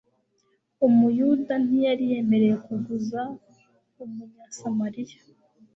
Umuyuda ntiyari yemerewe kuguza Umunyasamariya,